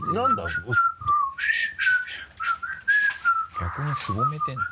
逆にすぼめてるの？